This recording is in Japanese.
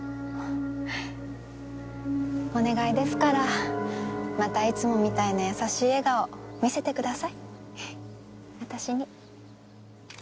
お願いですからまたいつもみたいな優しい笑顔見せてください私に。